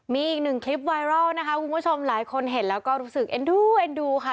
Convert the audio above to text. มีอีกหนึ่งคลิปไวรัลนะคะคุณผู้ชมหลายคนเห็นแล้วก็รู้สึกเอ็นดูเอ็นดูค่ะ